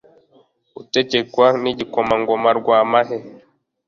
gutegekwa n'igikomangoma rwamahe